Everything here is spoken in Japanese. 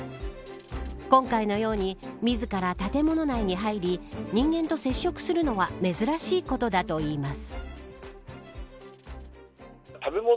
今回のように、自ら建物内に入り人間と接触するのは珍しいことだといいます。